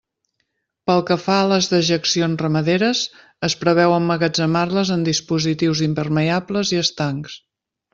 Pel que fa a les dejeccions ramaderes, es preveu emmagatzemar-les en dispositius impermeables i estancs.